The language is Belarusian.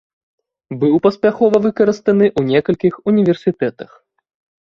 Быў паспяхова выкарыстаны ў некалькіх універсітэтах.